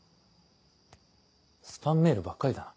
スパムメールばっかりだな。